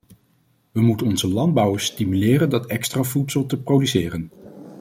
We moeten onze landbouwers stimuleren dat extra voedsel te produceren.